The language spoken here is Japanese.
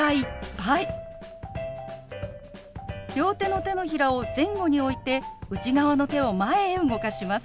両手の手のひらを前後に置いて内側の手を前へ動かします。